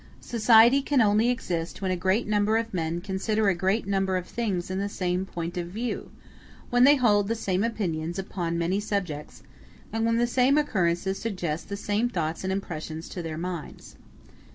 Society can only exist when a great number of men consider a great number of things in the same point of view; when they hold the same opinions upon many subjects, and when the same occurrences suggest the same thoughts and impressions to their minds.